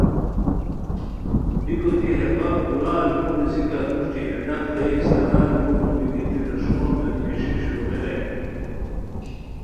بیکو دی ہے بپ دورار یو نیسکار پروشٹی ہے ڈاق دے استانار یو خومی گیتی ریݰوان گانی کیݰیک شروغیتائے